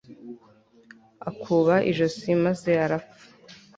akuba ijosi maze arapfa